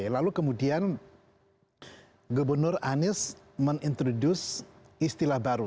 lalu kemudian gubernur anies men introduce istilah baru